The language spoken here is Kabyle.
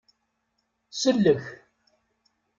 Sellek.